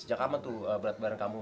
sejak kapan tuh berat badan kamu